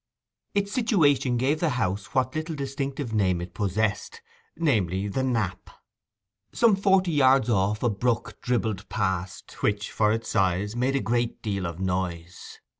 Its situation gave the house what little distinctive name it possessed, namely, 'The Knap.' Some forty yards off a brook dribbled past, which, for its size, made a great deal of noise.